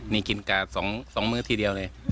นี่กินกาด๒มื้อทีเดียวเลย